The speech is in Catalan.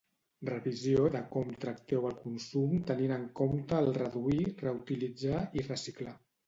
Revisió de com tracteu el consum tenint en compte el Reduir, Reutilitzar i Reciclar.